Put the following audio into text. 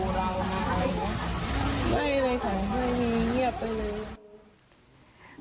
ไม่เลยของเขามีเงียบไปเลย